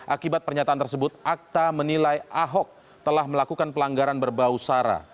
akibat pernyataan tersebut akta menilai ahok telah melakukan pelanggaran berbau sara